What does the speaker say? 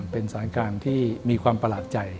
เป็นสถานการณ์ที่มีความประหลาดใจ